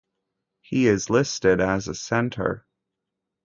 He is listed as a center.